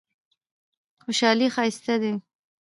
خوشحالي ښایسته دی.